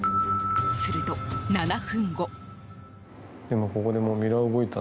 すると７分後。